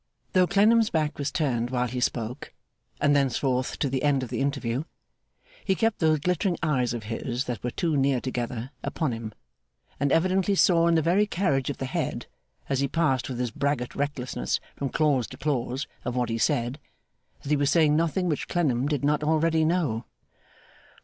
Though Clennam's back was turned while he spoke, and thenceforth to the end of the interview, he kept those glittering eyes of his that were too near together, upon him, and evidently saw in the very carriage of the head, as he passed with his braggart recklessness from clause to clause of what he said, that he was saying nothing which Clennam did not already know.